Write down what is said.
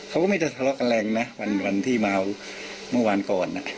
เขาก็ไม่ได้ทะเลาะกันแรงนะวันที่เมาเมื่อวานก่อน